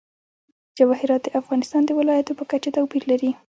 جواهرات د افغانستان د ولایاتو په کچه توپیر لري.